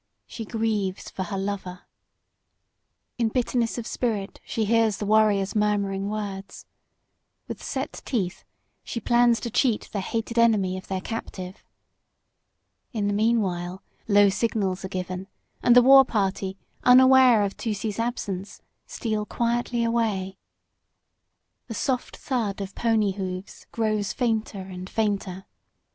She grieves for her lover. In bitterness of spirit she hears the warriors' murmuring words. With set teeth she plans to cheat the hated enemy of their captive. In the meanwhile low signals are given, and the war party, unaware of Tusee's absence, steal quietly away. The soft thud of pony hoofs grows fainter and fainter.